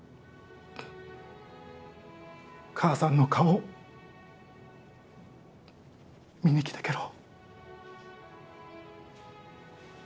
母さんの顔見に来てけろ。